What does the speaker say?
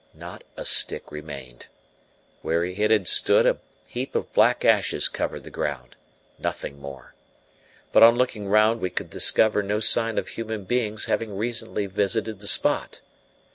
Not a stick remained. Where it had stood a heap of black ashes covered the ground nothing more. But on looking round we could discover no sign of human beings having recently visited the spot.